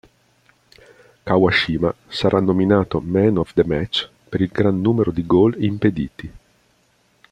Kawashima sarà nominato "Man of the Match" per il gran numero di goal impediti.